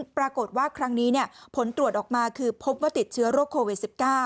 ปรากฏว่าครั้งนี้ผลตรวจออกมาคือพบว่าติดเชื้อโรคโควิด๑๙